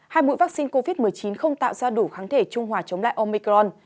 hai mũi vaccine covid một mươi chín không tạo ra đủ kháng thể trung hòa chống lại omicron